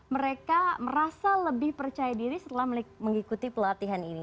mereka merasa lebih percaya diri setelah mengikuti pelatihan ini